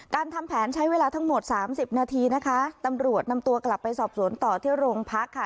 ทำแผนใช้เวลาทั้งหมดสามสิบนาทีนะคะตำรวจนำตัวกลับไปสอบสวนต่อที่โรงพักค่ะ